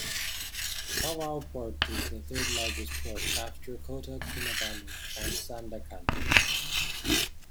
Tawau port is the third largest port after Kota Kinabalu and Sandakan.